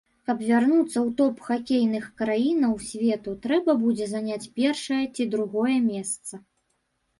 Каб вярнуцца ў топ хакейных краінаў свету, трэба будзе заняць першае ці другое месца.